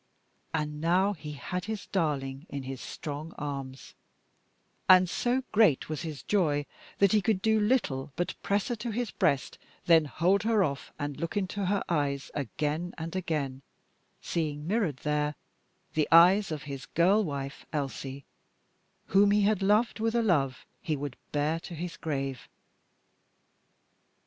And now he had his darling in his strong arms, and so great was his joy that he could do little but press her to his breast, then hold her off and look into her eyes again and again, seeing mirrored there the eyes of his girl wife Elsie, whom he had loved with a love he would bear to his grave.